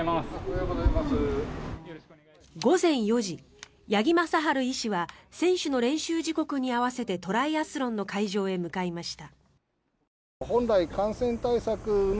午前４時、八木正晴医師は選手の練習時刻に合わせてトライアスロンの会場へ向かいました。